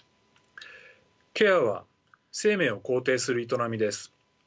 ケアは生命を肯定する営みです。